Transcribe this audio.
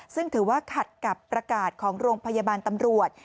ซึ่งถือว่าขัดกับประกาศของโรงพยาบาลตำรวจ